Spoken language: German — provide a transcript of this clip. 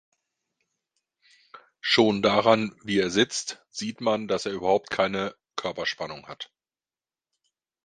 Schon daran, wie er sitzt, sieht man, dass er überhaupt keine Körperspannung hat.